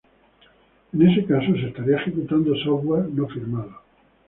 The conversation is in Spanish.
En este caso, se estaría ejecutando software no firmado.